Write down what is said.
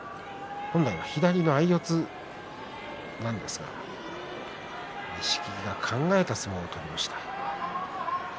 本来は左四つなんですが考えた相撲を取りました。